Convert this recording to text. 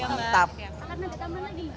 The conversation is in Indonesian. mantap sih ya mbak